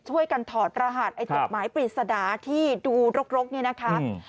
ช่วยกันถอดรหัสไอ้จดหมายปริศนาที่ดูรกเนี่ยนะคะ